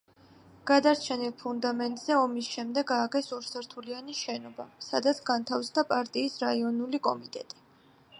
გადარჩენილ ფუნდამენტზე ომის შემდეგ ააგეს ორსართულიანი შენობა, სადაც განთავსდა პარტიის რაიონული კომიტეტი.